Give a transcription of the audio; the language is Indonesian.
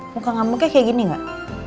muka ngamuknya kayak gini gak